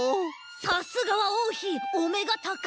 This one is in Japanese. さすがはおうひおめがたかい！